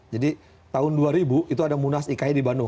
jadi tahun dua ribu itu ada munas ikai di bandung